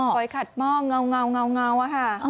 อยขัดหม้อเงาอะค่ะ